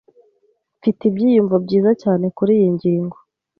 Mfite ibyiyumvo byiza cyane kuriyi ngingo.